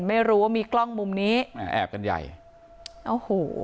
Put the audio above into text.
ไม่รู้ว่ามีกล้องมุมนี้แอบกันใหญ่โอ้โห